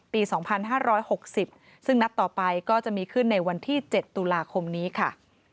ปี๒๕๖๐ซึ่งนัดต่อไปก็จะมีขึ้นในวันที่๗ตุลาคมนี้ค่ะ